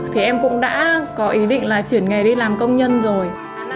thì em cũng đã có ý định là chuyển nghề đi làm công nhân rồi